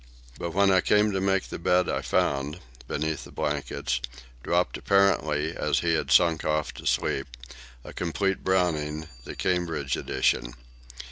But when I came to make the bed I found, between the blankets, dropped apparently as he had sunk off to sleep, a complete Browning, the Cambridge Edition.